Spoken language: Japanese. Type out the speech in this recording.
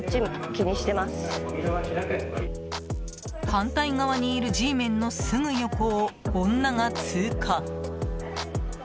反対側にいるＧメンのすぐ横を女が通過。